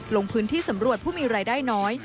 ลงพื้นที่สำรวจผู้มีรายได้น้อย